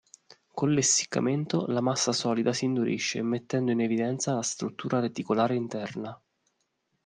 Con l'essiccamento la massa solida si indurisce mettendo in evidenza la struttura reticolare interna.